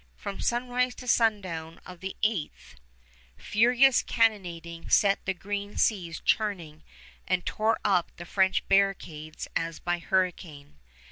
From sunrise to sundown of the 8th furious cannonading set the green seas churning and tore up the French barricades as by hurricane.